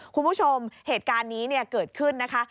คุณผู้ชมเหตุการณ์นี้เกิดขึ้นนะคะ